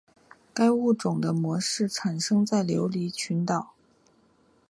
该物种的模式产地在琉球群岛。